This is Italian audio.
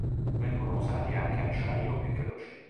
Vengono usati anche acciaio e croci.